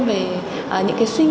về những cái suy nghĩ